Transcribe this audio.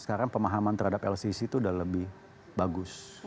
sekarang pemahaman terhadap lcc itu sudah lebih bagus